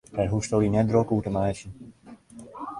Dêr hoechsto dy net drok oer te meitsjen.